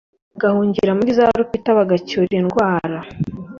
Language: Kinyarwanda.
bagahungira muri za rupita bagacyura indwara